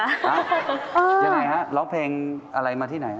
ยังไงฮะร้องเพลงอะไรมาที่ไหน